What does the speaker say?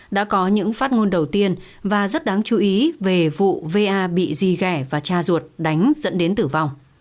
đã có những phát ngôn đầu tiên và rất đáng chú ý về vụ va bị di gẻ và cha ruột đánh dẫn đến tử vong